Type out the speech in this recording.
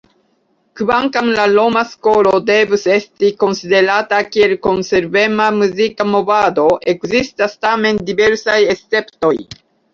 Kvankam la "Roma Skolo" devus esti konsiderata kiel konservema muzika movado, ekzistas tamen diversaj esceptoj.